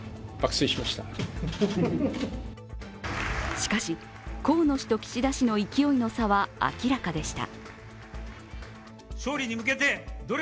しかし、河野氏と岸田氏の勢いの差は明らかでした。